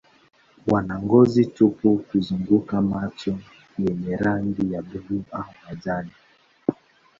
Wana ngozi tupu kuzunguka macho yenye rangi ya buluu au majani.